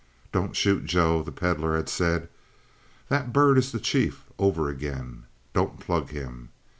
"Don't shoot, Joe," the Pedlar had said. "That bird is the chief over again. Don't plug him!"